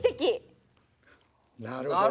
なるほど。